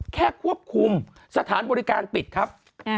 ควบคุมสถานบริการปิดครับ